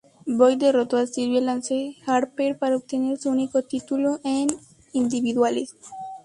Boyd derrotó a Sylvia Lance Harper para obtener su único título en individuales.